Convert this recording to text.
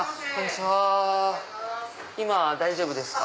今大丈夫ですか？